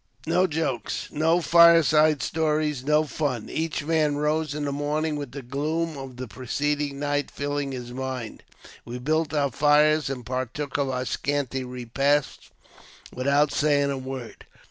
No jokes, no fire side stories, no fun ; each man rose in the morning with the gloom of the preceding night filling his mind ; we built our fires ana partook of our scanty repast without saying a word.